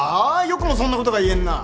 よくもそんなことが言えんな！